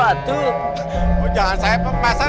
oh jangan saya pembasar